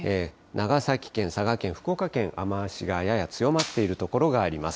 長崎県、佐賀県、福岡県、雨足がやや強まっている所があります。